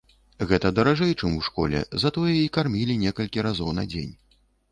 Гэта даражэй, чым у школе, затое і кармілі некалькі разоў на дзень.